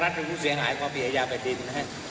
รัฐเป็นผู้เสียหายความผิดอาญาไปดินนะครับ